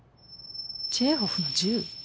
チェーホフの銃？